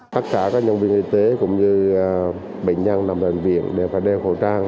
tất cả các nhân viên y tế cũng như bệnh nhân nằm bệnh viện đều phải đeo khẩu trang